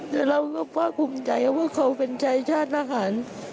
แต่เราก็ภาคภูมิใจว่าเขาเป็นชายชาติทหาร